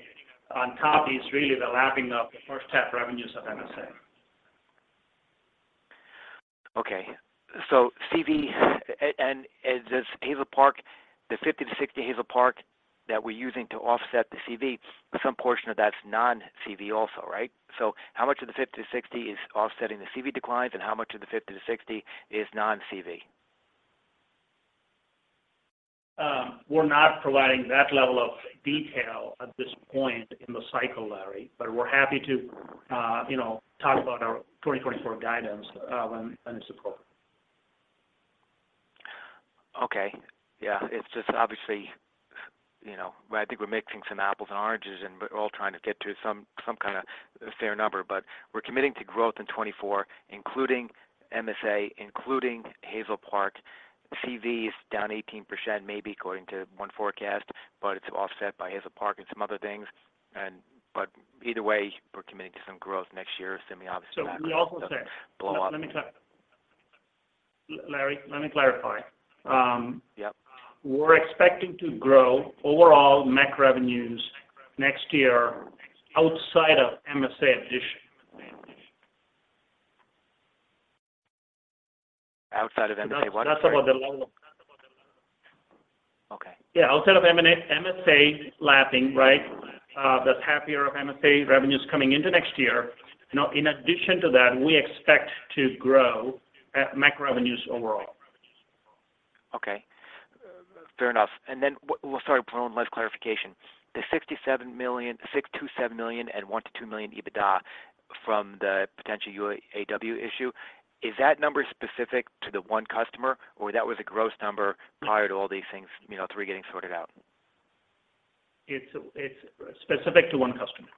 on top is really the lapping of the first half revenues of MSA.
Okay. So CV, and this Hazel Park, the 50-60 Hazel Park that we're using to offset the CV, some portion of that's non-CV also, right? So how much of the 50-60 is offsetting the CV declines, and how much of the 50-60 is non-CV?
We're not providing that level of detail at this point in the cycle, Larry, but we're happy to talk about our 2024 guidance when it's appropriate.
Okay. Yeah, it's just obviously, you know, I think we're mixing some apples and oranges, and we're all trying to get to some kind of fair number, but we're committing to growth in 2024, including MSA, including Hazel Park. CV is down 18%, maybe, according to one forecast, but it's offset by Hazel Park and some other things. But either way, we're committing to some growth next year, semi-obviously-
So we also said-
Blow up.
Larry, let me clarify.
Yep.
We're expecting to grow overall MEC revenues next year outside of MSA addition.
Outside of MSA, what?
That's about the level.
Okay.
Yeah, outside of MSA lapping, right? That's half year of MSA revenues coming into next year. Now, in addition to that, we expect to grow MSA revenues overall.
Okay. Fair enough. And then, well, sorry, one last clarification. The $67 million, $6-$7 million and $1-$2 million EBITDA from the potential UAW issue, is that number specific to the one customer, or that was a gross number prior to all these things, you know, three getting sorted out?
It's specific to one customer.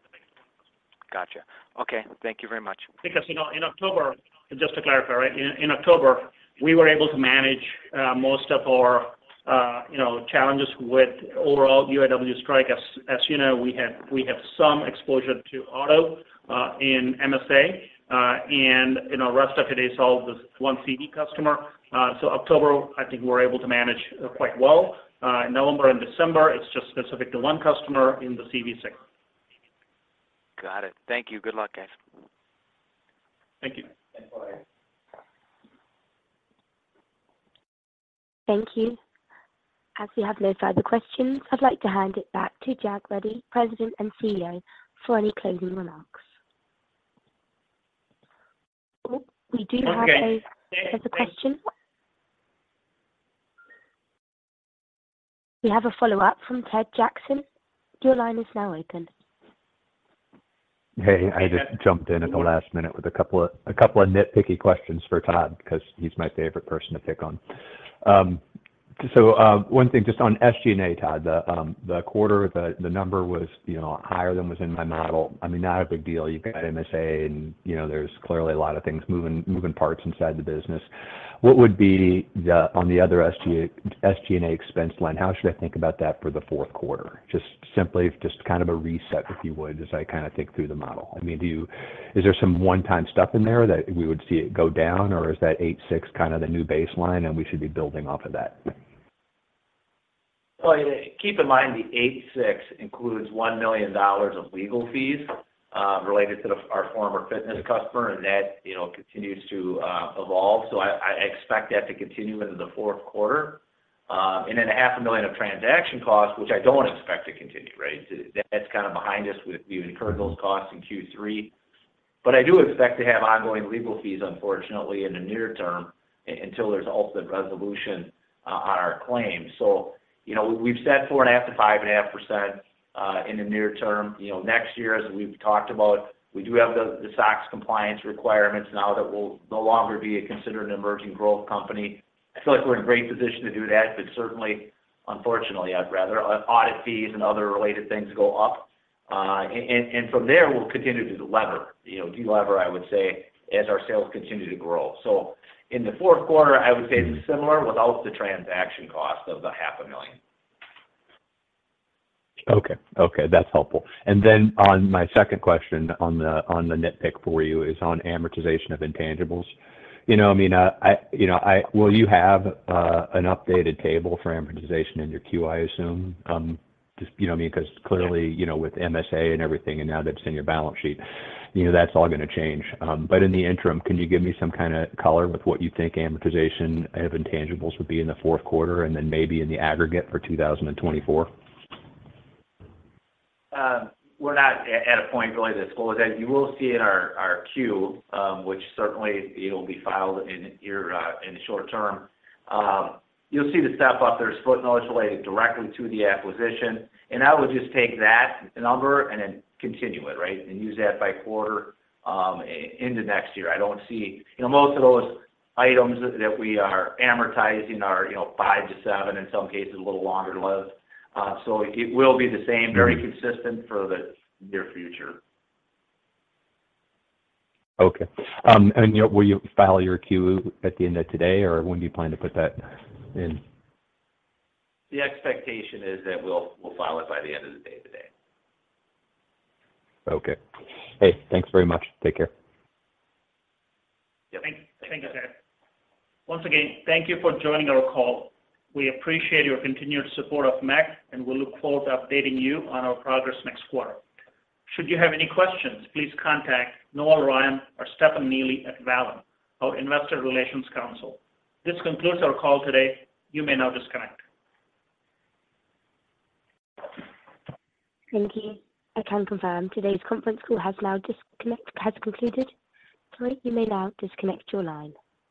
Gotcha. Okay. Thank you very much.
Because, you know, in October, just to clarify, right, in October, we were able to manage most of our, you know, challenges with overall UAW strike. As you know, we have some exposure to auto in MSA, and, you know, rest of it is all with one CV customer. So October, I think we're able to manage quite well. In November and December, it's just specific to one customer in the CV sector.
Got it. Thank you. Good luck, guys.
Thank you.
Thank you. As we have no further questions, I'd like to hand it back to Jag Reddy, President and CEO, for any closing remarks. Oh, we do have a-
Okay...
further question. We have a follow-up from Ted Jackson. Your line is now open.
Hey, I just jumped in at the last minute with a couple of, a couple of nitpicky questions for Todd, because he's my favorite person to pick on. So, one thing just on SG&A, Todd. The quarter, the number was, you know, higher than was in my model. I mean, not a big deal. You've got MSA and, you know, there's clearly a lot of things moving parts inside the business. What would be the on the other SG&A expense line, how should I think about that for the fourth quarter? Just simply, just kind of a reset, if you would, as I kind of think through the model. I mean, is there some one-time stuff in there that we would see it go down, or is that 86 kind of the new baseline, and we should be building off of that?
Well, keep in mind, the 8.6 includes $1 million of legal fees related to our former fitness customer, and that, you know, continues to evolve. So I expect that to continue into the fourth quarter. And then $500,000 of transaction costs, which I don't expect to continue, right? That's kind of behind us. We incurred those costs in Q3. But I do expect to have ongoing legal fees, unfortunately, in the near term until there's ultimate resolution on our claim. So, you know, we've said 4.5%-5.5% in the near term. You know, next year, as we've talked about, we do have the SOX compliance requirements now that we'll no longer be considered an emerging growth company. I feel like we're in a great position to do that, but certainly, unfortunately, I'd rather our audit fees and other related things go up. And from there, we'll continue to lever, you know, delever, I would say, as our sales continue to grow. So in the fourth quarter, I would say similar without the transaction cost of $500,000....
Okay. Okay, that's helpful. And then on my second question, on the nitpick for you, is on amortization of intangibles. You know, I mean, well, you have an updated table for amortization in your Q, I assume? Just, you know what I mean, because clearly, you know, with MSA and everything, and now that it's in your balance sheet, you know, that's all gonna change. But in the interim, can you give me some kind of color with what you think amortization of intangibles would be in the fourth quarter, and then maybe in the aggregate for 2024?
We're not at a point really to pull it in. You will see in our Q, which certainly it'll be filed here, in the short term. You'll see the step-up. There's footnotes related directly to the acquisition, and I would just take that number and then continue it, right? And use that by quarter into next year. I don't see... You know, most of those items that we are amortizing are, you know, five to seven, in some cases, a little longer lived. So it will be the same, very consistent for the near future.
Okay. You know, will you file your Q at the end of today, or when do you plan to put that in?
The expectation is that we'll file it by the end of the day today.
Okay. Hey, thanks very much. Take care.
Yep.
Thank you, Ted. Once again, thank you for joining our call. We appreciate your continued support of MEC, and we look forward to updating you on our progress next quarter. Should you have any questions, please contact Noel Ryan or Stefan Neely at Vallum, our investor relations counsel. This concludes our call today. You may now disconnect.
Thank you. I can confirm today's conference call has now concluded. Sorry, you may now disconnect your line.